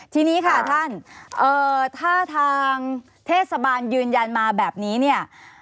ทีนี้ค่ะท่านถ้าทางเทศบาลยืนยันมาแบบนี้เนี่ย